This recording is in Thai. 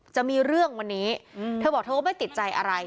จะมีเรื่องวันนี้เธอบอกเธอก็ไม่ติดใจอะไร